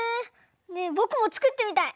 ねえぼくもつくってみたい。